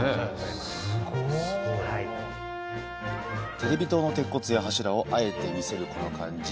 テレビ塔の鉄骨や柱をあえて見せるこの感じ